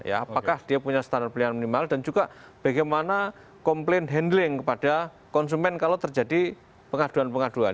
apakah dia punya standar pelayanan minimal dan juga bagaimana komplain handling kepada konsumen kalau terjadi pengaduan pengaduan